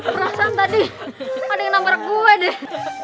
perasaan tadi ada yang namrak gue deh